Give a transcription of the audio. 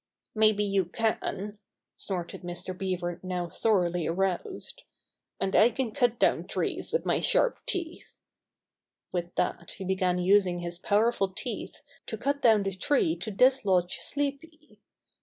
"Maybe you can," snorted Mr. Beaver now thoroughly aroused, "and I can cut down trees with my sharp teeth." With that he began using his powerful teeth to cut down the tree to dislodge Sleepy.